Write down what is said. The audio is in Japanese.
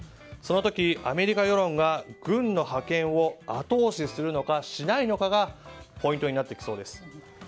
その時、アメリカ世論が軍の派遣を後押しするのかしないのかがポイントになってきそうです。